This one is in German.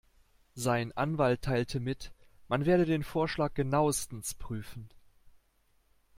Sein Anwalt teilte mit, man werde den Vorschlag genauestens prüfen.